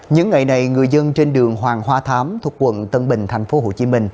những ngày này người dân trên đường hoàng hoa thám thuộc quận tân bình tp hcm